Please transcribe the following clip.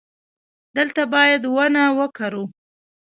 دلته باید ونه وکرو